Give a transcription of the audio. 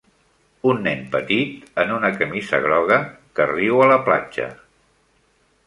Un nen petit en una camisa groga que riu a la platja.